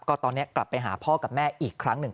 ก็ตอนนี้กลับไปหาพ่อกับแม่อีกครั้งหนึ่ง